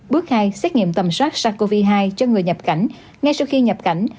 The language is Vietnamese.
bước hai xét nghiệm tầm soát sars cov hai cho người nhập cảnh ngay sau khi nhập cảnh